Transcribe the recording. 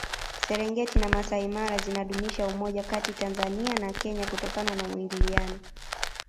serengeti na masai mara zinadumisha umoja Kati tanzania na kenya kutokana na muingiliano